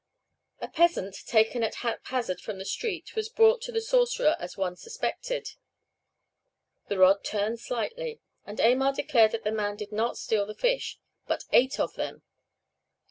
A peasant, taken at haphazard from the street, was brought to the sorcerer as one suspected. The rod turned slightly, and Aymar declared that the man did not steal the fish, but ate of them.